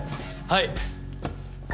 はい。